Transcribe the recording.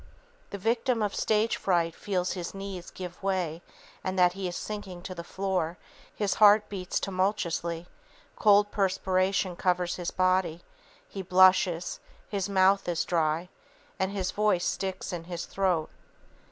The victim of stage fright feels his knees give way and that he is sinking to the floor; his heart beats tumultuously, cold perspiration covers his body, he blushes, his mouth is dry, and his voice sticks in his throat.